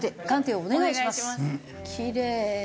お願いします。